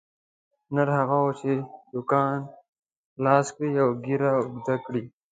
نر هغه وو چې دوکان خلاص کړي او ږیره اوږده کړي.